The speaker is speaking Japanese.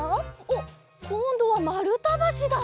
おっこんどはまるたばしだ。